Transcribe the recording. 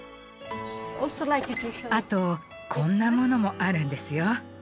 あとこんなものもあるんですよ。